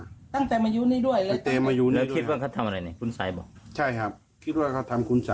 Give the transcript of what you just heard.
คุณไสบ่ใช่ครับคิดว่าเขาทำคุณไสมีชื่อชื่อเมียด้วยครับ